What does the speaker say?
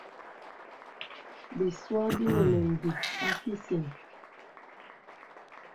Bìsua bìnə nə̀ m̀bìt a kìsìn.